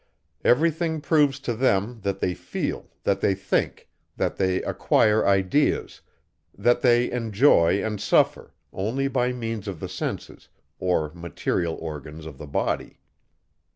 Every thing proves to them, that they feel, that they think, that they acquire ideas, that they enjoy and suffer, only by means of the senses, or material organs of the body.